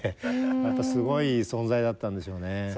またすごい存在だったんでしょうね。